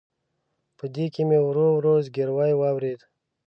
په دې کې مې ورو ورو زګیروي واورېد.